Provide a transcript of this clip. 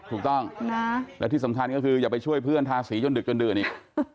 ถูกต้องแล้วที่สำคัญก็คืออย่าไปช่วยเพื่อนทาสียนดึกจนดื่นอีก